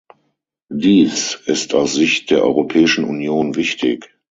Dies ist aus Sicht der Europäischen Union wichtig.